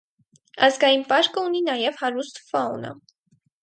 Ազգային պարկը ունի նաև հարուստ ֆաունա։